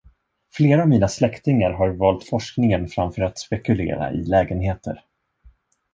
Flera av mina släktingar har valt forskningen framför att spekulera i lägenheter.